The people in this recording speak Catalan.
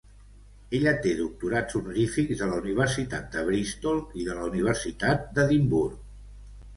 Ella té doctorats honorífics de la Universitat de Bristol i de la Universitat d'Edimburg.